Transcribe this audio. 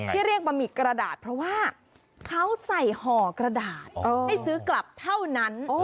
เรียกบะหมี่กระดาษเพราะว่าเขาใส่ห่อกระดาษให้ซื้อกลับเท่านั้น